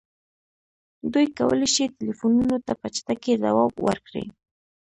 دوی کولی شي ټیلیفونونو ته په چټکۍ ځواب ورکړي